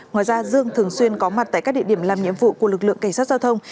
ngoài ra dương thường xuyên có mặt tại các địa điểm làm nhiệm vụ của lực lượng cảnh sát giao thông